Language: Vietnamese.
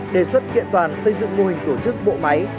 đề xuất kiện toàn xây dựng mô hình tổ chức bộ máy